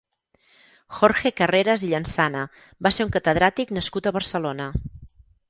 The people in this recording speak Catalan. Jorge Carreras i Llansana va ser un catedràtic nascut a Barcelona.